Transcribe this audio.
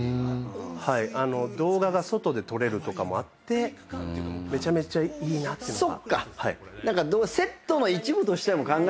動画が外で撮れるとかもあってめちゃめちゃいいなってのが。